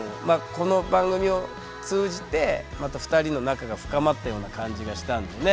この番組を通じてまた２人の仲が深まったような感じがしたんでね。